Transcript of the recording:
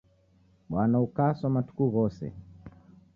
Bwana ukaso matuku ghose.